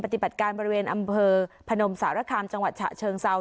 ปฏิบัติการบริเวณอำเภอพนมสารคามจังหวัดฉะเชิงเซา